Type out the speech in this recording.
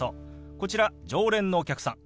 こちら常連のお客さん。